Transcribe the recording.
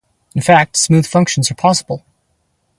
In fact smooth functions are possible.